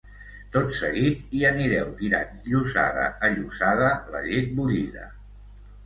Tot seguit hi anireu tirant llossada a llossada la llet bullida